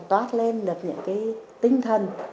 toát lên được những cái tinh thần